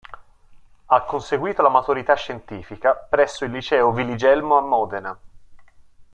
Ha conseguito la maturità scientifica presso il Liceo Wiligelmo a Modena.